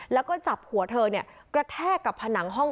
แล้วก็จับหัวเธอเนี่ยกระแทกกับผนังห้อง